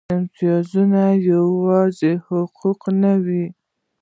امتیازات یوازې حقونه نه وو.